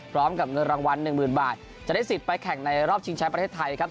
พร้อมกับเงินรางวัลหนึ่งหมื่นบาทจะได้สิทธิ์ไปแข่งในรอบชิงแชมป์ประเทศไทยครับ